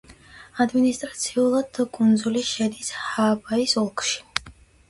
ადმინისტრაციულად კუნძული შედის ჰააპაის ოლქში.